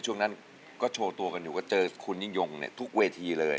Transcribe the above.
ช่วงนั้นก็โชว์ตัวกันอยู่ก็เจอคุณยิ่งยงทุกเวทีเลย